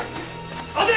待て！